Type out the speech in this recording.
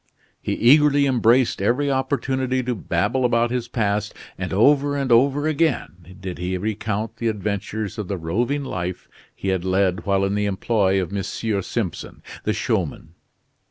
He eagerly embraced every opportunity to babble about his past, and over and over again did he recount the adventures of the roving life he had led while in the employ of M. Simpson, the showman.